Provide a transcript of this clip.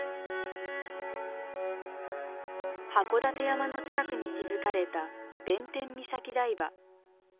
函館山の近くに築かれた弁天岬台場。